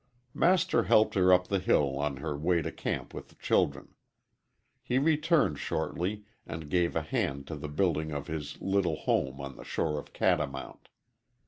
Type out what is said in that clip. Master helped her up the hill on her way to camp with the children. He returned shortly and gave a hand to the building of his little home on the shore of Catamount.